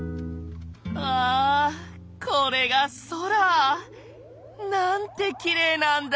ああこれが空。なんてきれいなんだ！